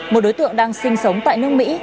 một đối tượng đang sinh sống tại nước mỹ